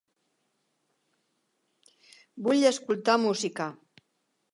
Vull escoltar música.